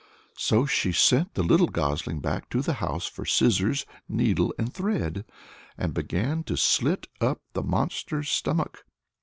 So she sent the little gosling back to the house for scissors, needle, and thread, and began to slit up the monster's stomach.